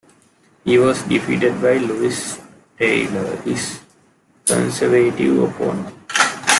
He was defeated by the Louis Tellier, his Conservative opponent.